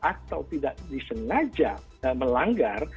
atau tidak disengaja melanggar